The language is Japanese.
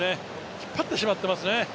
引っ張ってしまってますね。